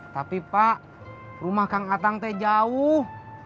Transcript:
tapi pak rumah kang atang teh jauh